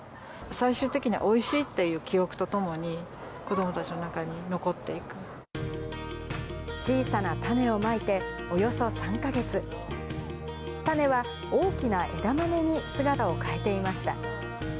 最終的にはおいしいっていう記憶とともに、子どもたちの中に残っ小さな種をまいておよそ３か月、種は大きな枝豆に姿を変えていました。